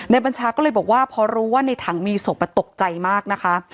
บัญชาก็เลยบอกว่าพอรู้ว่าในถังมีศพตกใจมากนะคะ